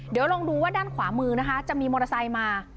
เดี๋ยวลองดูว่าด้านขวามือนะคะจะมีมอเตอร์ไซค์มา